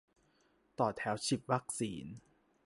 ต่อแถวฉีดวัคซีน